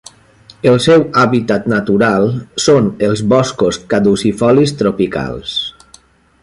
El seu hàbitat natural són els boscos caducifolis tropicals.